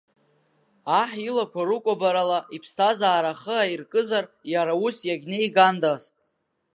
Аҳ илақәа рыкәабарала иԥсҭазаара ахы аиркызар, иара ус иагьнеигандаз.